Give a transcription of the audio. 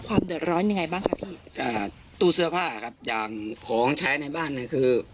อย่างของใช้ในบ้านเนี่ยคือ